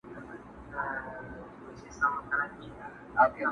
د یارانې مثال د تېغ دی!!